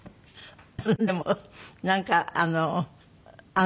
でもなんかあの。